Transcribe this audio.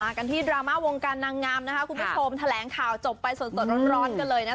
มากันที่ดราม่าวงการนางงามนะครับคุณผู้ชมแถลงข่าวจบไปส่วนสดร้อนร้อนก็เลยนะ